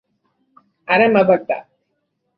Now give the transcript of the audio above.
Harem a Bagdad.